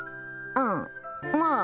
うんまあ